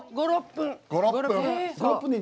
５６分。